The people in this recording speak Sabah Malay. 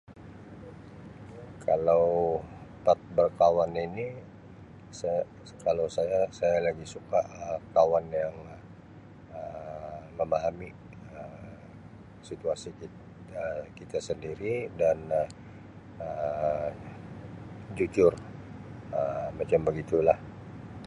Kalau pat berkawan ini sia kalau saya saya lagi suka Um kawan yang Um memahami Um situasi kit Um kita sendiri dan Um jujur Um macam begitu lah.